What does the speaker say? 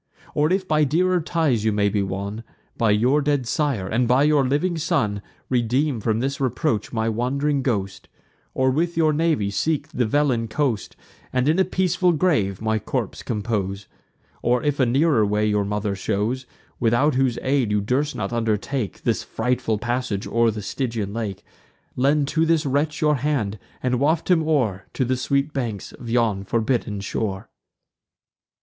Or, if by dearer ties you may be won, By your dead sire, and by your living son, Redeem from this reproach my wand'ring ghost; Or with your navy seek the Velin coast, And in a peaceful grave my corpse compose; Or, if a nearer way your mother shows, Without whose aid you durst not undertake This frightful passage o'er the Stygian lake, Lend to this wretch your hand, and waft him o'er To the sweet banks of yon forbidden shore."